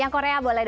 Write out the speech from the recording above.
yang korea boleh